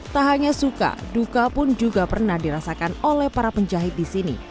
tak hanya suka duka pun juga pernah dirasakan oleh para penjahit di sini